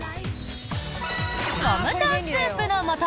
コムタンスープの素。